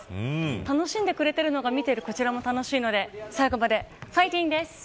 楽しんでくれているのが見てるこちらも楽しいので最後までファイティングです。